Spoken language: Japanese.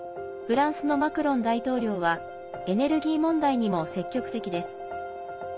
フランスのマクロン大統領はエネルギー問題にも積極的です。